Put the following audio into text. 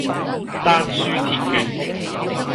丹書鐵券